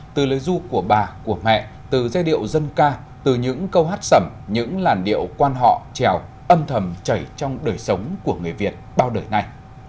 từ lời du của bà của mẹ từ giai điệu dân ca từ những câu hát sẩm những làn điệu quan họ trèo âm thầm chảy trong đời sống của người việt bao đời này